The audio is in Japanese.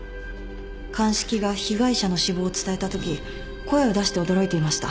鑑識が被害者の死亡を伝えたとき声を出して驚いていました。